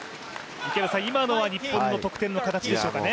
今のは日本の得点の形でしょうかね？